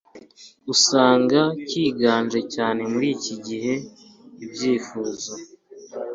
usanga kiganje cyane muri iki gihe Ibyifuzo